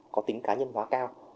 có tính cá nhân hóa cao